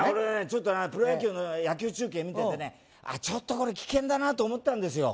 ちょっとなプロ野球の野球中継見ててねあちょっとこれ危険だなって思ったんですよ